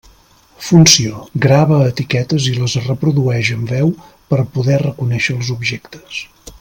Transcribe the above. Funció: grava etiquetes i les reprodueix amb veu per poder reconèixer els objectes.